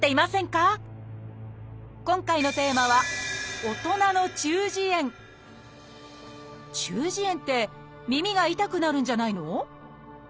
今回のテーマは「中耳炎」って耳が痛くなるんじゃないの？